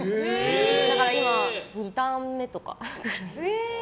だから今、２ターン目とか。